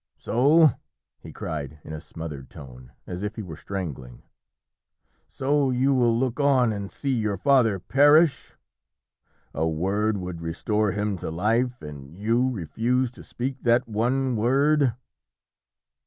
"So," he cried in a smothered tone, as if he were strangling "so you will look on and see your father perish? A word would restore him to life, and you refuse to speak that one word?"